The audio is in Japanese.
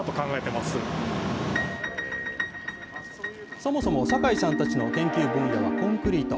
そもそも、酒井さんたちの研究分野はコンクリート。